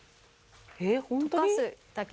とかすだけ。